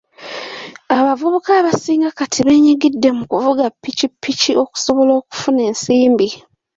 Abavubuka abasinga kati beenyigidde mu kuvuga ppikipiki okusobola okufuna ensimbi.